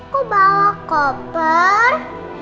kok bawa koper